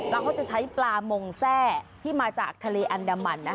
แล้วเขาจะใช้ปลามงแทร่ที่มาจากทะเลอันดามันนะคะ